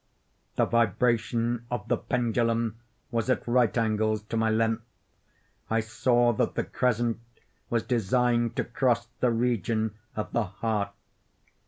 The vibration of the pendulum was at right angles to my length. I saw that the crescent was designed to cross the region of the heart.